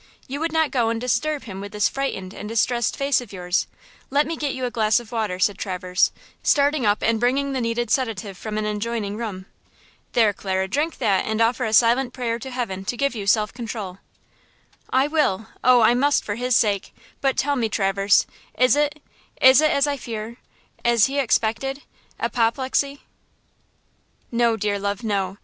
You would not go and disturb him with this frightened and distressed face of yours–let me get you a glass of water," said Traverse, starting up and bringing the needed sedative from an adjoining room. "There, Clara, drink that and offer a silent prayer to heaven to give you self control." "I will–oh, I must for his sake! But tell me, Traverse, is it–is it as I fear–as he expected–apoplexy?" "No, dear love–no.